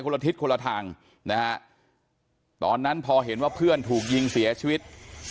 ละทิศคนละทางนะฮะตอนนั้นพอเห็นว่าเพื่อนถูกยิงเสียชีวิต